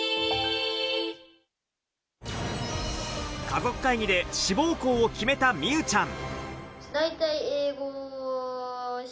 家族会議で志望校を決めた美羽ちゃん。